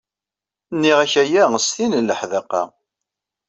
Nniɣ-ak aya s tin n leḥdaqa.